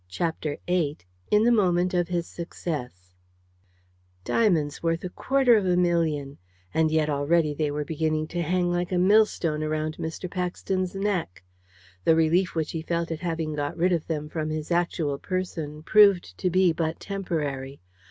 CHAPTER VIII IN THE MOMENT OF HIS SUCCESS Diamonds worth a quarter of a million! And yet already they were beginning to hang like a millstone round Mr. Paxton's neck. The relief which he felt at having got rid of them from his actual person proved to be but temporary.